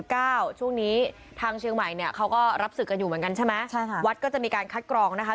ช่วงนี้ทางเชียงใหม่เนี่ยเขาก็รับศึกกันอยู่เหมือนกันใช่ไหมใช่ค่ะวัดก็จะมีการคัดกรองนะคะ